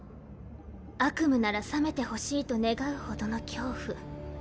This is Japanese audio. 悪夢なら覚めてほしいと願うほどの恐怖。